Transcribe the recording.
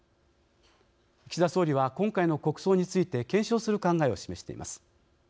岸田総理は、今回の国葬について検証する考えを示しています。